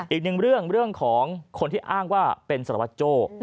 อีกหนึ่งเรื่องเรื่องของคนที่อ้างว่าเป็นสระวัตโจ